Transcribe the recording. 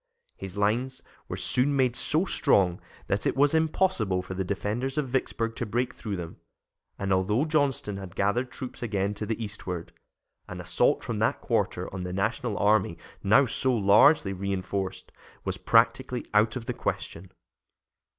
His lines were soon made so strong that it was impossible for the defenders of Vicksburg to break through them, and although Johnston had gathered troops again to the eastward, an assault from that quarter on the National army, now so largely reinforced, was practically out of the question.